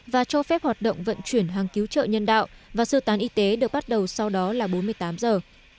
và cho phép hoạt động vận chuyển hàng cứu trợ nhân đạo và sơ tán y tế được bắt đầu sau đó là bốn mươi tám giờ